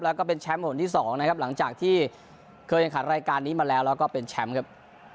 แล้วก็เป็นแชมป์ผลที่๒นะครับหลังจากที่เคยแข่งขันรายการนี้มาแล้วแล้วก็เป็นแชมป์ครับ